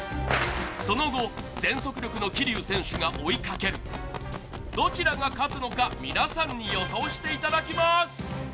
その後全速力の桐生選手が追いかけるどちらが勝つのか皆さんに予想していただきます！